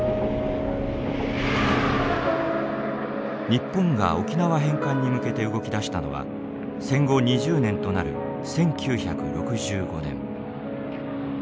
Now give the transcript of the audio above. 日本が沖縄返還に向けて動き出したのは戦後２０年となる１９６５年。